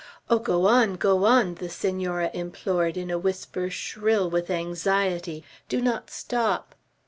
"Oh, go on, go on!" the Senora implored in a whisper shrill with anxiety. "Do not stop!"